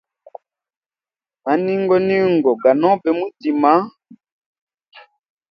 Maningo ningo ga nobe mwitima.